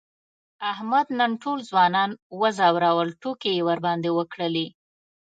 احمد نن ټول ځوانان و ځورول، ټوکې یې ورباندې وکړلې.